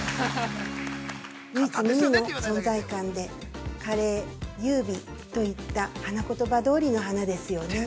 ◆唯一無二の存在感で華麗・優美といった花言葉どおりの花ですよね。